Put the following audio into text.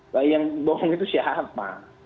nah yang bohong itu siapa